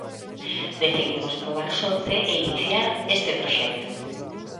Decidimos probar sorte e iniciar este proxecto.